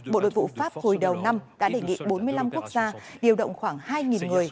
bộ đội vụ pháp hồi đầu năm đã đề nghị bốn mươi năm quốc gia điều động khoảng hai người